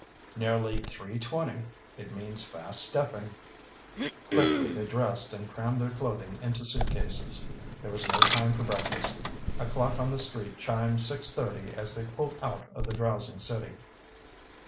"Nearer three twenty. It means fast stepping." Quickly they dressed and crammed their clothing into suitcases. There was no time for breakfast. A clock on the street chimed six thirty as they pulled out of the drowsing city.